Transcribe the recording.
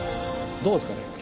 どうですかね？